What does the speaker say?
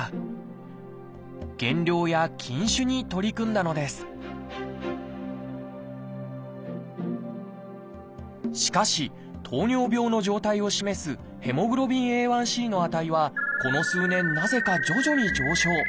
減量や禁酒に取り組んだのですしかし糖尿病の状態を示すＨｂＡ１ｃの値はこの数年なぜか徐々に上昇。